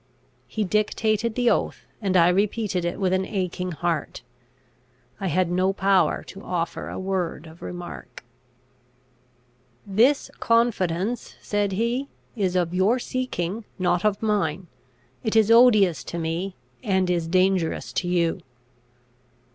He dictated the oath, and I repeated it with an aching heart. I had no power to offer a word of remark. "This confidence," said he, "is of your seeking, not of mine. It is odious to me, and is dangerous to you."